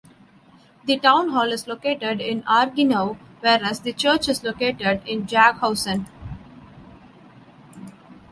The town hall is located in Argenau, whereas the church is located in Jaghausen.